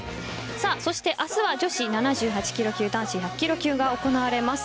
明日は女子７８キロ級男子１００キロ級が行われます。